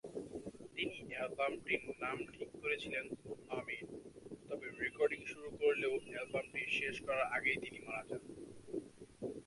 তিনি অ্যালবামটির নাম ঠিক করেছিলেন "আমিন"; তবে রেকর্ডিং শুরু করলেও অ্যালবামটি শেষ করার আগেই তিনি মারা যান।